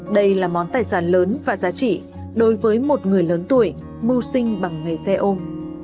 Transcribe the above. đây là món tài sản lớn và giá trị đối với một người lớn tuổi mưu sinh bằng nghề xe ôm